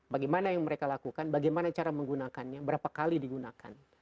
bagaimana yang mereka lakukan bagaimana cara menggunakannya berapa kali digunakan